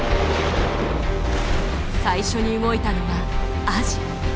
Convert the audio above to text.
最初に動いたのはアジ。